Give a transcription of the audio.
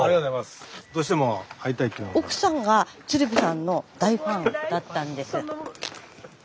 スタジオ奥さんが鶴瓶さんの大ファンだったんです。